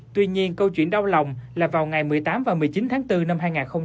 tuy nhiên câu chuyện đau lòng là vào ngày một mươi tám và một mươi chín tháng bốn năm hai nghìn hai mươi